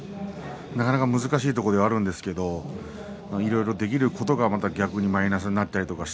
なかなか難しいところではありますけれどもいろいろできることが逆にマイナスになってしまう。